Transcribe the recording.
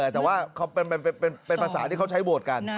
แต่ว่าเป็นภาษาที่เขาใช้โหวตกัน